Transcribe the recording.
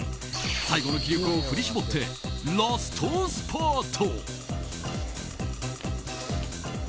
最後の気力を振り絞ってラストスパート。